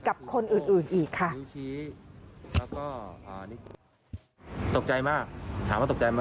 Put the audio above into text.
กับคนอื่นอีกค่ะ